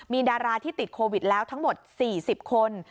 มีดาราที่ติดโควิดแล้วทั้งหมด๔๐คน